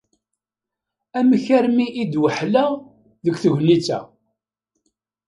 Amek armi i d-weḥleɣ deg tegnit-a?